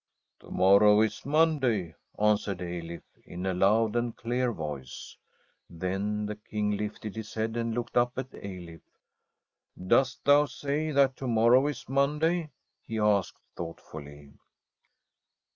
' To morrow is Monday,' answered Eilif in a loud and clear voice. Then the King lifted his head and looked up at Eilif. ' Dost thou say that to morrow is Monday?' he asked thoughtfully.